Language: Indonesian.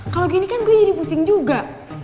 kalo gini kan gua jadi pusing juga